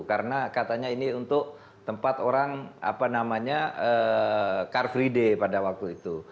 karena katanya ini untuk tempat orang car free day pada waktu itu